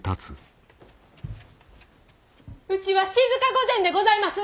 うちは静御前でございます！